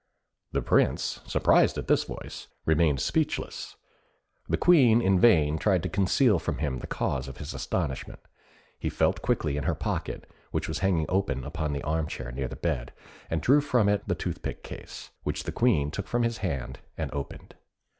The Prince, surprised at this voice, remained speechless. The Queen in vain tried to conceal from him the cause of his astonishment; he felt quickly in her pocket, which was hanging upon the arm chair near the bed, and drew from it the toothpick case, which the Queen took from his hand and opened.